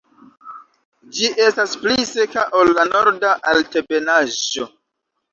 Ĝi estas pli seka ol la Norda Altebenaĵo.